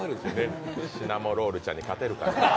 シナモロールちゃんに勝てるかな。